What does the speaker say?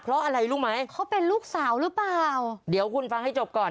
เพราะอะไรรู้ไหมเขาเป็นลูกสาวหรือเปล่าเดี๋ยวคุณฟังให้จบก่อน